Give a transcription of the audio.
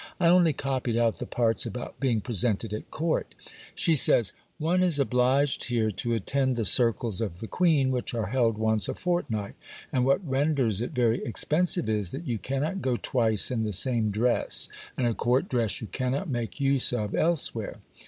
'I only copied out the parts about being presented at Court. She says:— '"One is obliged here to attend the circles of the Queen, which are held once a fortnight; and what renders it very expensive is, that you cannot go twice in the same dress, and a court dress you cannot make use of elsewhere.